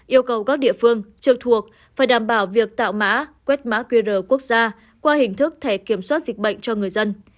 yêu cầu các địa phương trực thuộc phải đảm bảo việc tạo mã quét mã qr quốc gia qua hình thức thẻ kiểm soát dịch bệnh cho người dân